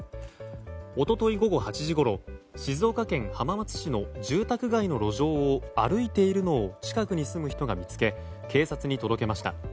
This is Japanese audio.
一昨日午後８時ごろ静岡県浜松市の住宅街の路上を歩いているのを近くに住む人が見つけ警察に届けました。